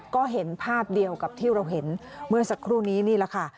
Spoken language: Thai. ก็เห็นภาพเดียวกับที่เราเห็นเมื่อสักครู่นี้นี่แหละค่ะ